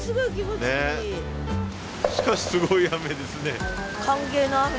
しかしすごい雨ですね。